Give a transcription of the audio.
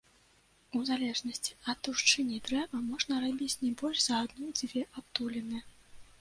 У залежнасці ад таўшчыні дрэва можна рабіць не больш за адну-дзве адтуліны.